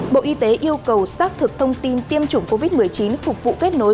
bộ y tế yêu cầu xác thực thông tin tiêm chủng covid một mươi chín phục vụ kết nối